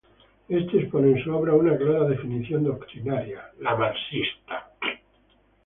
Este expone en su obra una clara definición doctrinaria, la marxista.